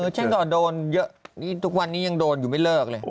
ฉันก็โดนเยอะนี่ทุกวันนี้ยังโดนอยู่ไม่เลิกเลย